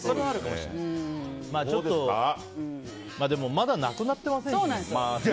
まだなくなってませんからね。